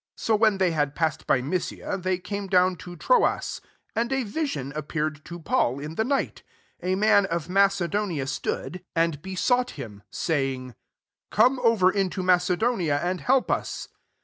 8 So when they had pass ed by Mysia, they came down toTroas.9And a vision appear ed to Paul in the night: a man of Macedonia stood and be ACTSi XVl. sought him, saying, " Come over into Macedonia, and help us."